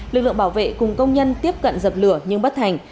lực lượng bảo vệ cùng công nhân tiếp cận dập lửa nhưng bất thành